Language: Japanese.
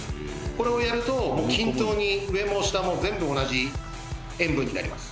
「これをやると均等に上も下も全部同じ塩分になります。